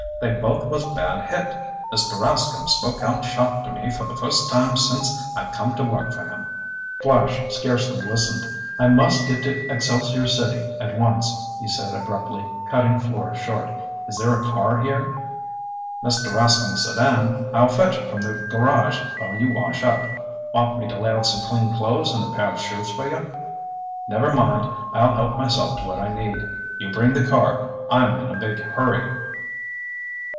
They both was bad hit. Mr. Rascomb spoke out sharp to me for the first time since I come to work for him." Flash scarcely listened. "I must get to Excelsior City at once!" he said abruptly, cutting Fleur short. "Is there a car here?" "Mr. Rascomb's sedan. I'll fetch it from the garage while you wash up. Want me to lay out some clean clothes and a pair of shoes for you?" "Never mind. I'll help myself to what I need. You bring the car. I'm in a big hurry."